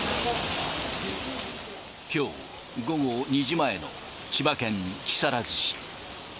きょう午後２時前の千葉県木更津市。